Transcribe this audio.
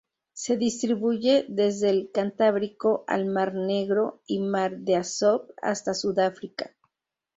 Se distribuye desde el Cantábrico al Mar Negro y Mar de Azov hasta Sudáfrica.